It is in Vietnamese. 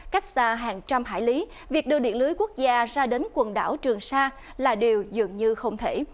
cách xa hàng trăm hải lý việc đưa điện lưới quốc gia ra đến quần đảo trường sa là điều dường như không thể